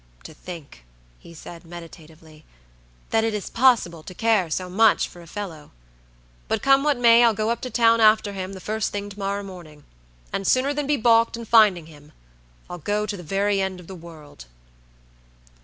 "To think," he said, meditatively, "that it is possible to care so much for a fellow! But come what may, I'll go up to town after him the first thing to morrow morning; and, sooner than be balked in finding him, I'll go to the very end of the world."